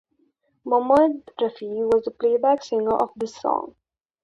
Mohammed Rafi was the playback singer of this song.